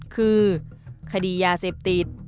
คือคดียาเสพติด